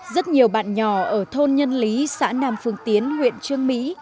rất nhiều bạn nhỏ ở thôn nhân lý xã nam phương tiến huyện trương mỹ